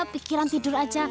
pikiran tidur aja